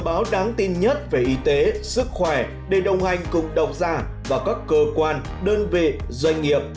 báo đáng tin nhất về y tế sức khỏe để đồng hành cùng độc giả và các cơ quan đơn vị doanh nghiệp